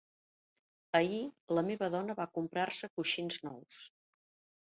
Ahir, la meva dona va comprar-se coixins nous.